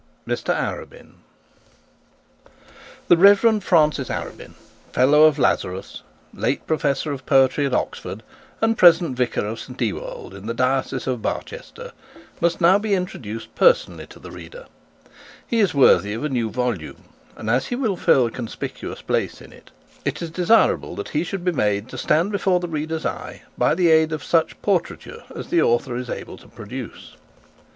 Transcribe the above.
CHAPTER XX MR ARABIN The Reverend Francis Arabin, fellow of Lazarus, late professor of poetry at Oxford, and present vicar of St Ewold, in the diocese of Barchester, must now be introduced personally to the reader. And as he will fill a conspicuous place in this volume, it is desirable that he should be made to stand before the reader's eye by the aid of such portraiture as the author is able to produce.